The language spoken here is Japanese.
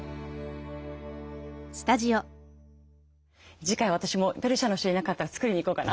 次回私もペルシャの人いなかったら作りに行こうかな。